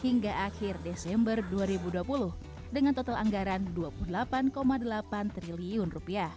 hingga akhir desember dua ribu dua puluh dengan total anggaran rp dua puluh delapan delapan triliun